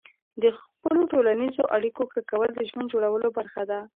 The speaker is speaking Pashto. د خپلو ټولنیزو اړیکو ښه کول د ژوند جوړولو برخه ده.